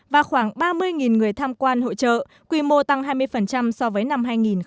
và khoảng ba mươi người tham quan hội trợ quy mô tăng hai mươi so với năm hai nghìn một mươi bảy